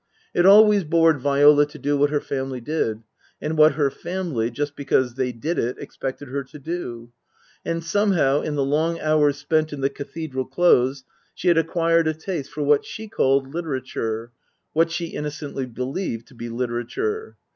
It always bored Viola to do what her family did, and what her family, just because they did it, expected her to do. And somehow, in the long hours spent in the Cathedral Close, she had acquired a taste for what she called " literature," what she innocently believed to be literature.